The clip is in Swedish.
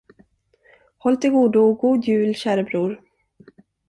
Håll till godo och god jul, käre bror!